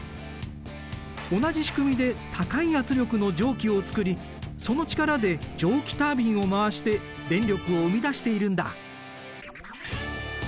同じ仕組みで高い圧力の蒸気を作りその力で蒸気タービンを回して電力を生み出しているんだ。